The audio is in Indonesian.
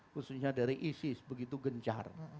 khususnya dari isis begitu gencar